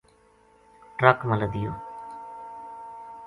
ٹرک ما لدیو